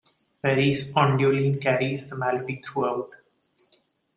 Perrey's Ondioline carries the melody throughout.